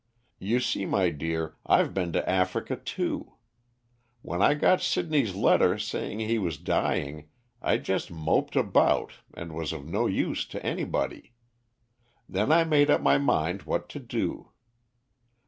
You see, my dear, I've been to Africa too. When I got Sidney's letter saying he was dying I just moped about and was of no use to anybody. Then I made up my mind what to do.